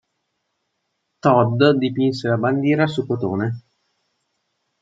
Todd dipinse la bandiera su cotone.